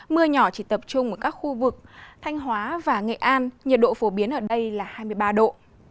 mưa nhỏ chỉ tập trung ở các khu vực thanh hóa và nghệ an nhiệt độ phổ biến ở đây là hai mươi ba độ